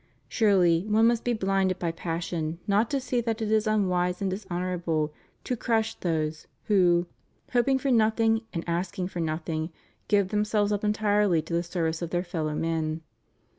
Surely, one must be blinded by passion not to see that it is unwise and dishonorable to crush those who, hoping for nothing THE RELIGIOUS CONGREGATIONS IN FRANCE. 509 and asking for nothing, give themselves up entirely to the service of their fellow men.